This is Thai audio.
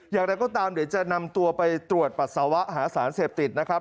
อย่างไรก็ตามเดี๋ยวจะนำตัวไปตรวจปัสสาวะหาสารเสพติดนะครับ